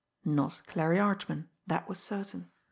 Not Clarie Archman that was certain.